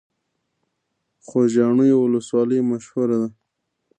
خوږیاڼیو ولسوالۍ مشهوره ده؟